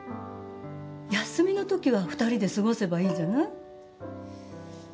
休みの時は２人で過ごせばいいじゃない？